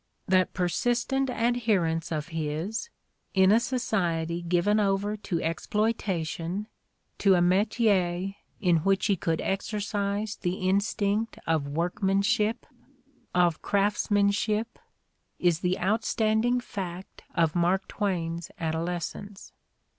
That persistent adhersnce of his, in a society given over to exploitation, to a metier in which he could exercise the instinct of workmanship, of craftsmanship, is the outstanding fact of Mttvk Twain's adolescence.